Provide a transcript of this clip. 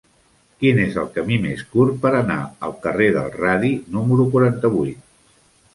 Quin és el camí més curt per anar al carrer del Radi número quaranta-vuit?